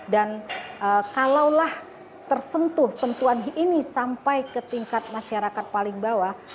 dan kalaulah tersentuh sentuhan ini sampai ke tingkat masyarakat paling bawah